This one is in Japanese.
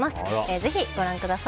ぜひ、ご覧ください。